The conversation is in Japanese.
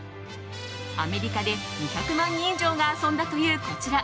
アメリカで２００万人以上が遊んだというこちら。